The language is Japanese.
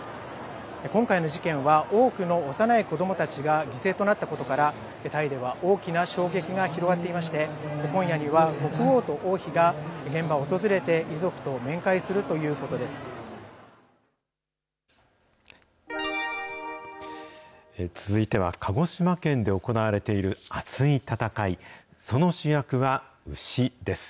今回の事件は、多くの幼い子どもたちが犠牲となったことから、タイでは大きな衝撃が広がっていまして、今夜には国王と王妃が現場を訪れて、遺族と面会するということです。